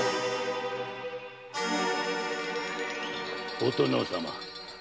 お殿様。